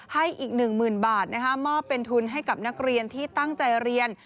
ให้อีก๑๐๐๐บาทมอบเป็นทุนให้กับนักเรียนที่ตั้งใจเรียน